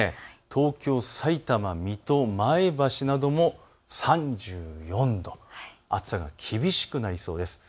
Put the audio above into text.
東京、さいたま、水戸、前橋なども３４度、暑さが厳しくなりそうです。